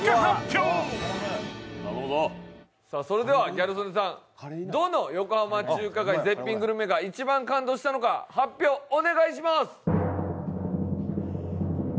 ギャル曽根さん、どの横浜中華街絶品グルメが一番おいしかったか発表お願いします！